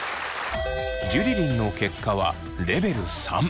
ジュリリンの結果はレベル３。